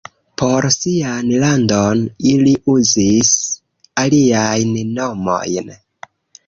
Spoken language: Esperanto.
Por sian landon ili uzis aliajn nomojn.